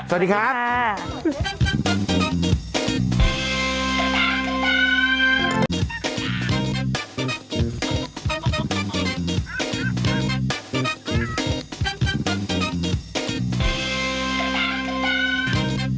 สวัสดีครับ